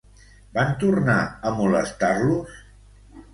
Van tornar a molestar-los?